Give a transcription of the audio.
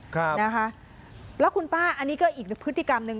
ครับนะคะแล้วคุณป้าอันนี้ก็อีกพฤติกรรมหนึ่ง